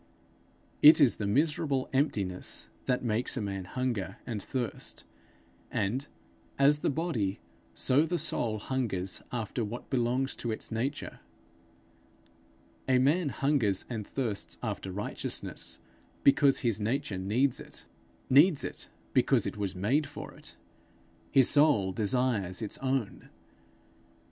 It is the miserable emptiness that makes a man hunger and thirst; and, as the body, so the soul hungers after what belongs to its nature. A man hungers and thirsts after righteousness because his nature needs it needs it because it was made for it; his soul desires its own.